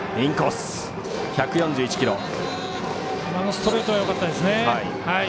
ストレートがよかったですね。